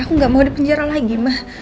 aku gak mau di penjara lagi